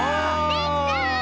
できた！